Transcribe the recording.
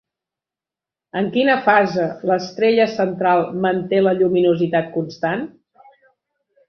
En quina fase l'estrella central manté la lluminositat constant?